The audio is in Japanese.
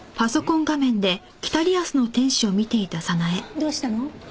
どうしたの？